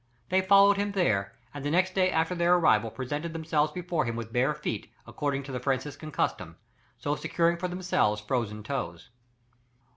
They followed him there, and the next day after their arrival presented themselves before him with bare feet, according to the Franciscan custom, so securing for themselves frozen toes.